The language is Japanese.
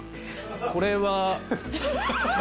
これは。